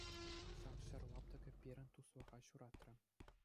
Ҫак ҫӗр лаптӑкӗ пирӗн туслӑха ҫуратрӗ.